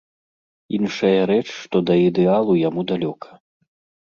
Іншая рэч, што да ідэалу яму далёка.